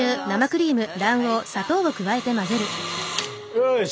よし！